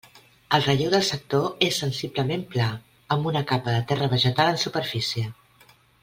El relleu del sector és sensiblement pla, amb una capa de terra vegetal en superfície.